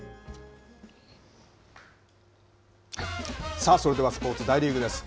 さあ、それではスポーツ、大リーグです。